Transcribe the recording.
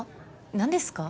何ですか？